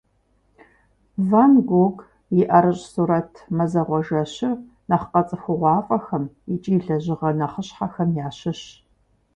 Ван Гог и ӏэрыщӏ сурэт «Мазэгъуэ жэщыр» нэхъ къэцӏыхугъуафӏэхэм икӏи лэжьыгъэ нэхъыщхьэхэм ящыщщ.